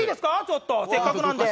ちょっとせっかくなので。